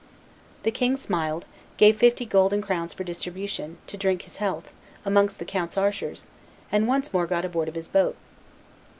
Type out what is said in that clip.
The king smiled; gave fifty golden crowns for distribution, to drink his health, amongst the count's archers, and once more got aboard of his boat.